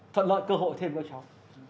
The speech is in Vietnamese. thuận lợi cơ hội thêm với cháu